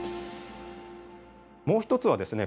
もう一つはですね